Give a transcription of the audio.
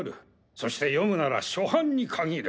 そして読むなら初版に限る！